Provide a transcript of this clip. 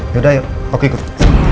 yaudah yuk aku ikut